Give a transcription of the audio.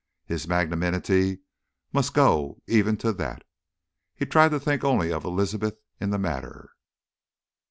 His magnanimity must go even to that. He tried to think only of Elizabeth in the matter.